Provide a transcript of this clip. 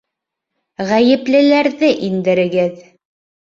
Ғәйеплеләрҙе индерегеҙ!